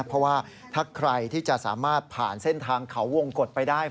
เพราะว่าถ้าใครที่จะสามารถผ่านเส้นทางเขาวงกฎไปได้